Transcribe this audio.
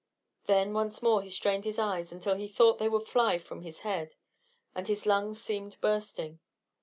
Then once more he strained his eyes until he thought they would fly from his head, and his lungs seemed bursting.